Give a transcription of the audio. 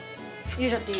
入れちゃっていい？